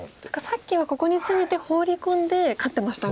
さっきはここにツメてホウリ込んで勝ってましたが。